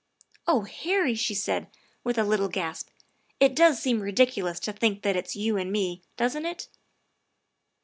" Oh Harry," she said with a little gasp, " it does seem ridiculous to think that it's you and me, doesn't it?"